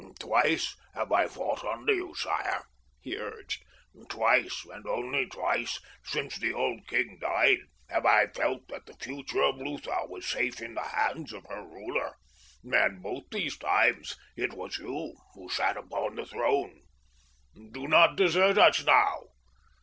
"Twice have I fought under you, sire," he urged. "Twice, and only twice since the old king died, have I felt that the future of Lutha was safe in the hands of her ruler, and both these times it was you who sat upon the throne. Do not desert us now.